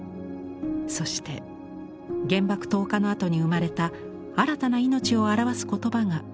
そして原爆投下のあとに生まれた新たな命を表す言葉が浮かび上がります。